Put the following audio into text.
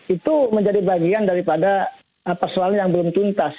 itu menjadi bagian daripada persoalan yang belum tuntas